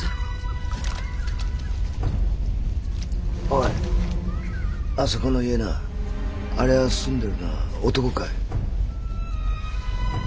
おいあそこの家なあれは住んでるのは男かい？